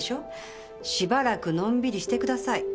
しばらくのんびりしてください。